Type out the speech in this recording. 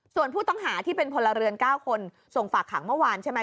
ส่วนผู้ต้องหาที่เป็นพลเรือน๙คนส่งฝากขังเมื่อวานใช่ไหม